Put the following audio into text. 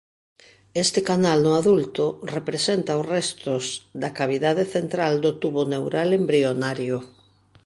Este canal no adulto representa os restos da cavidade central do tubo neural embrionario.